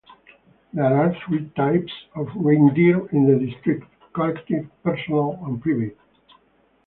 There are three "types" of reindeer in the district: collective, personal and private.